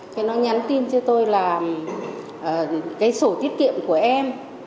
thế nó nhắn tin cho tôi là cái sổ tiết kiệm của em